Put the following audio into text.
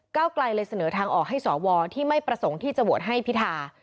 ไกลเลยเสนอทางออกให้สวที่ไม่ประสงค์ที่จะโหวตให้พิธา